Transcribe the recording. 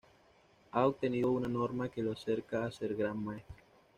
Ha obtenido una norma que lo acerca a ser Gran Maestro.